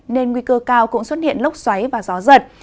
nên nguy cơ cao cũng xuất hiện lốc xoáy và gió giật